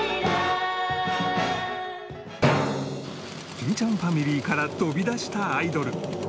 欽ちゃんファミリーから飛び出したアイドル